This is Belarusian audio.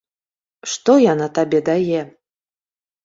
Што яна табе дае?